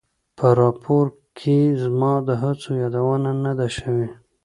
په راپور کې زما د هڅو یادونه نه ده شوې.